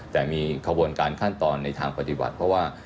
แต่มีขบวนการขั้นตอนในทางปฏิบัติเพราะว่า